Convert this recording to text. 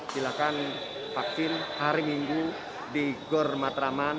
silakan vaksin hari minggu di gor matraman